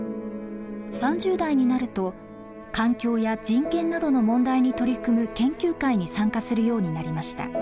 ３０代になると環境や人権などの問題に取り組む研究会に参加するようになりました。